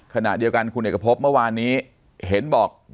ขณะเดียวกันคุณเอกพบเมื่อวานนี้เห็นบอก